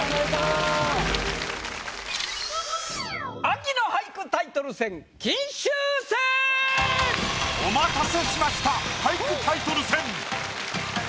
秋の俳句タイトル戦金秋戦！お待たせしました俳句タイトル戦。